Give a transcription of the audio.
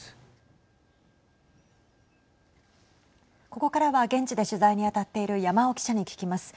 ここからは、現地で取材に当たっている山尾記者に聞きます。